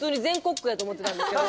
やと思ってたんですけど。